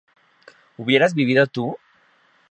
¿hubieras vivido tú?